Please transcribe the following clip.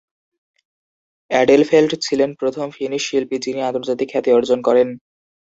Edelfelt ছিলেন প্রথম finish শিল্পী যিনি আন্তর্জাতিক খ্যাতি অর্জন করেন।